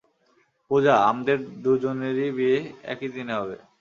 পূজা, আমদের দুজনেরই বিয়ে, একই দিনে হবে।